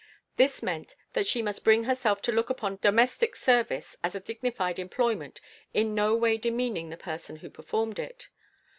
This meant that she must bring herself to look upon domestic service as a dignified employment in no way demeaning the person who performed it.